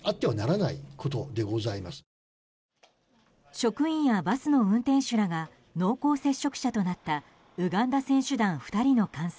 職員やバスの運転手らが濃厚接触者となったウガンダ選手団２人の感染。